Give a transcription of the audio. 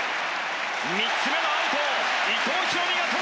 ３つ目のアウトを伊藤大がとった！